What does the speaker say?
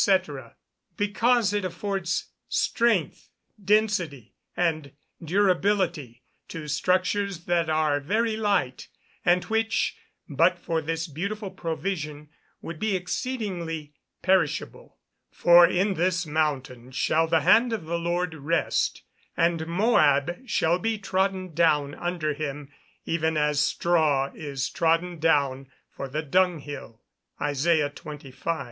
_ Because it affords strength, density, and durability, to structures that are very light, and which, but for this beautiful provision, would be exceedingly perishable. [Verse: "For in this mountain shall the hand of the Lord rest, and Moab shall be trodden down under him, even as straw is trodden down for the dunghill." ISAIAH XXV.